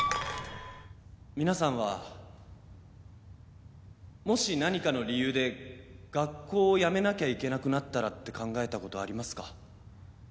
皆さんはもし何かの理由で学校を辞めなきゃいけなくなったらって考えたことありますか？